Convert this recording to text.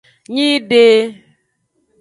Nyide.